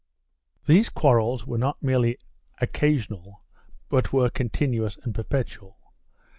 1 These quarrels were not merely occasional but were continuous and perpetual.